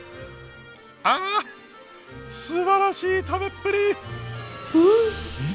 あすばらしい食べっぷり！んおいしい！